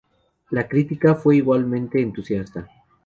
La crítica fue igualmente entusiasta.